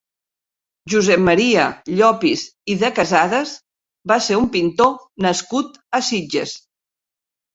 Josep Maria Llopis i de Casades va ser un pintor nascut a Sitges.